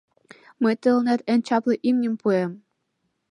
Мый тыланет эн чапле имньым пуэм.